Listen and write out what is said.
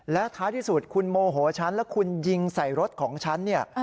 และท้ายที่สุดคุณโมโหฉันแล้วคุณยิงใส่รถของฉันเนี่ย